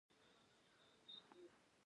لعل د افغانستان د طبیعت برخه ده.